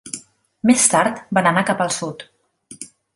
Més tard van anar cap al sud.